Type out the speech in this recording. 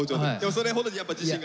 それほどやっぱ自信がある。